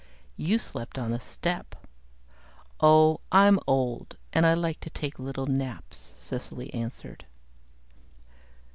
"You slept on the step." "Ah! I'm old and I like to take little naps," Cecily answered.